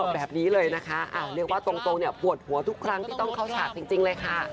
แบบนี้เลยนะคะเรียกว่าตรงเนี่ยปวดหัวทุกครั้งที่ต้องเข้าฉากจริงเลยค่ะ